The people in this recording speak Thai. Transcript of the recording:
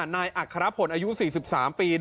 นายอัครพลอายุ๔๓ปี